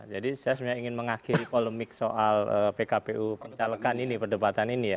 jadi saya sebenarnya ingin mengakhiri polemik soal pkpu pencalekan ini perdebatan ini ya